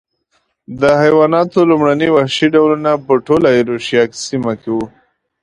د حیواناتو لومړني وحشي ډولونه په ټوله ایرویشیا سیمه کې و.